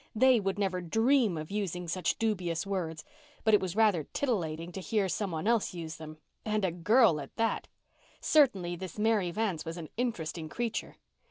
They would never dream of using such dubious words, but it was rather titivating to hear someone else use them—and a girl, at that. Certainly this Mary Vance was an interesting creature.